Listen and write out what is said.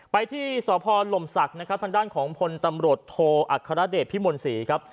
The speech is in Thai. ไปที่สพลมศักดิ์นะครับทางด้านของพลตำรวจโทอัครเดชพิมลศรีครับ